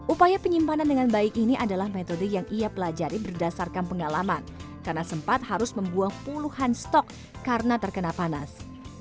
upaya penyimpanan dengan baik ini adalah metode yang ia pelajari berdasarkan pengalaman karena sempat harus membuang puluhan stok karena terkena panas